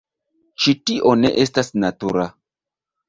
Ĉi tio ne estas natura...